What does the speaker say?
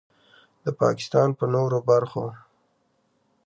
د پاکستان په نورو برخو